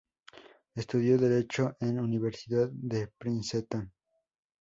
Estudió derecho en Universidad de Princeton.